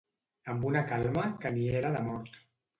Amb una calma que ni era de mort